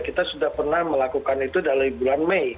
kita sudah pernah melakukan itu dari bulan mei